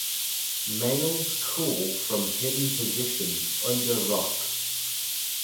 Males call from hidden positions under rocks.